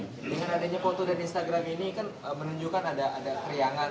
dengan adanya foto dan instagram ini kan menunjukkan ada keriangan